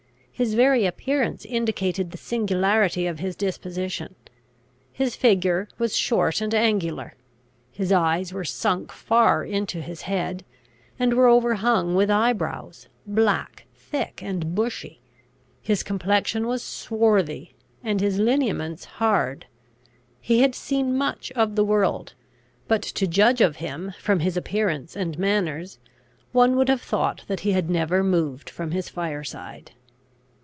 His very appearance indicated the singularity of his disposition. His figure was short and angular. His eyes were sunk far into his head, and were overhung with eye brows, black, thick, and bushy. His complexion was swarthy, and his lineaments hard. He had seen much of the world; but, to judge of him from his appearance and manners, one would have thought that he had never moved from his fire side.